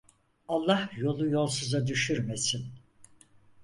Allah yolu yolsuza düşürmesin